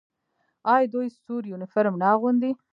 آیا دوی سور یونیفورم نه اغوندي؟